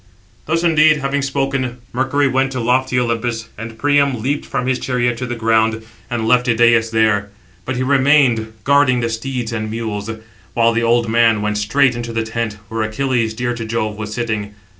Thus, indeed, having spoken, Mercury went to lofty Olympus; and Priam leaped from his chariot to the ground, and left Idæus there: but he remained, guarding the steeds and mules; while the old man went straight into the tent, where Achilles, dear to Jove, was sitting.